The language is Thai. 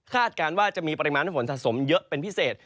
การว่าจะมีปริมาณฝนสะสมเยอะเป็นพิเศษ